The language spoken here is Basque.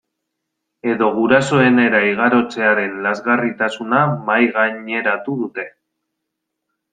Edo gurasoenera igarotzearen lazgarritasuna mahaigaineratu dute.